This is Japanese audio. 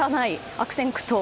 悪戦苦闘。